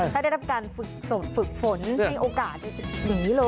ถ้าได้รับการฝึกฝึกฝนมีโอกาสอย่างนี้เลย